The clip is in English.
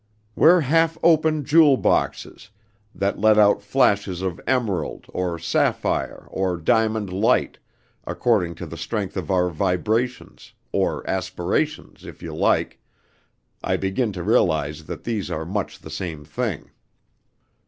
We're half open jewel boxes, that let out flashes of emerald, or sapphire, or diamond light, according to the strength of our vibrations or aspirations, if you like (I begin to realize that these are much the same thing!).